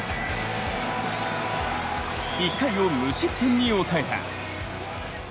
１回を無失点に抑えた。